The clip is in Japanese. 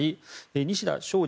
西田昌司